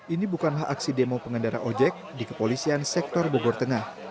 ini bukanlah aksi demo pengendara ojek di kepolisian sektor bogor tengah